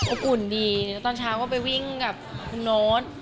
อุ่นดีแล้วตอนเช้าก็ไปวิ่งกับคุณโน๊ต